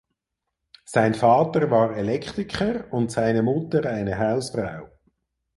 Sein Vater war Elektriker und seine Mutter eine Hausfrau.